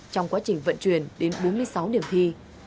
trong quá trình vận chuyển đến bốn mươi sáu điểm thi